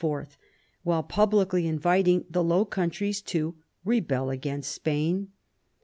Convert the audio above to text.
while publicly inviting the Low Countries to rebel against Spain.